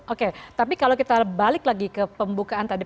oke tapi kalau kita balik lagi ke pembukaan tadi